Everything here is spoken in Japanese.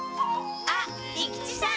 あっ利吉さん。